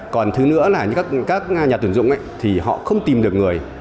còn thứ nữa là các nhà tuyển dụng thì họ không tìm được người